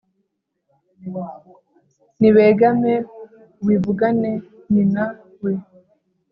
Nibegame uwivugane nyina we